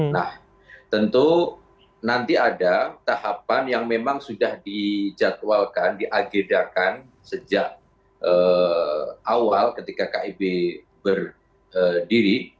nah tentu nanti ada tahapan yang memang sudah dijadwalkan diagedakan sejak awal ketika kib berdiri